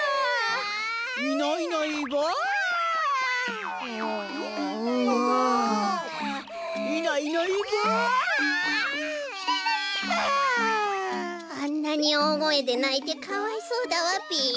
こころのこえあんなにおおごえでないてかわいそうだわべ。